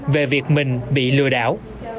về việc mình bị lừa đảo